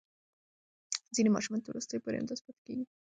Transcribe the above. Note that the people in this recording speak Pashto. ځینې ماشومان تر وروستیو پورې همداسې پاتې کېږي.